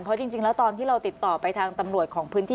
เพราะจริงแล้วตอนที่เราติดต่อไปทางตำรวจของพื้นที่